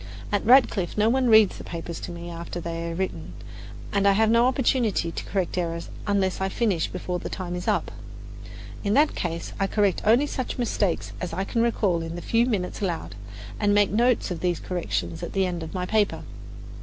At Radcliffe no one reads the papers to me after they are written, and I have no opportunity to correct errors unless I finish before the time is up. In that case I correct only such mistakes as I can recall in the few minutes allowed, and make notes of these corrections at the end of my paper.